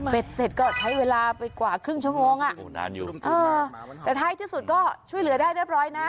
เสร็จก็ใช้เวลาไปกว่าครึ่งชั่วโมงอ่ะเออแต่ท้ายที่สุดก็ช่วยเหลือได้เรียบร้อยนะ